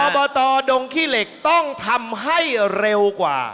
อบตดงขี้เหล็กต้องทำให้เร็วกว่า